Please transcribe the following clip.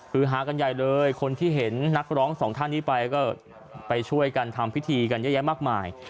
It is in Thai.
คือฮากันใหญ่เลยคนที่เห็นนักร้องสองท่านนี้ไปก็ไปช่วยกันทำพิธีกันเยอะแยะมากมาย